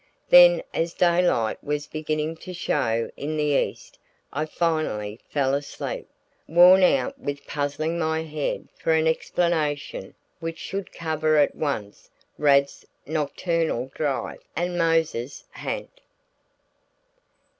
Then as daylight was beginning to show in the east I finally fell asleep, worn out with puzzling my head for an explanation which should cover at once Rad's nocturnal drive and Mose's ha'nt.